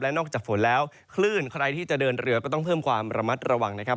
นอกจากฝนแล้วคลื่นใครที่จะเดินเรือก็ต้องเพิ่มความระมัดระวังนะครับ